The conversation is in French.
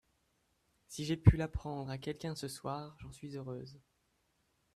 Si j’ai pu l’apprendre à quelqu’un ce soir, j’en suis heureuse.